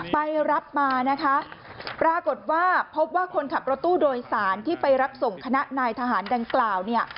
ไปรับมานะคะปรากฏว่าพบว่าคนขับรถตู้โดยสารที่ไปรับส่งคณะนายทหารดังกล่าวเนี่ย